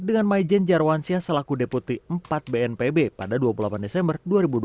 dengan maijen jarwansyah selaku deputi empat bnpb pada dua puluh delapan desember dua ribu dua puluh